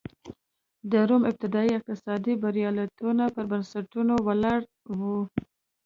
د روم ابتدايي اقتصادي بریالیتوبونه پر بنسټونو ولاړ و